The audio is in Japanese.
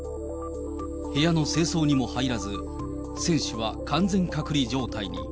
部屋の清掃にも入らず、選手は完全隔離状態に。